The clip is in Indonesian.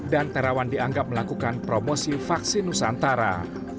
dan terawan dianggap melakukan promosi vaksin nusantara